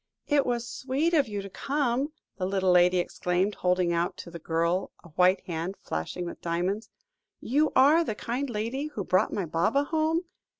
"It was sweet of you to come," the little lady exclaimed, holding out to the girl a white hand flashing with diamonds, "you are the kind lady who brought my Baba home?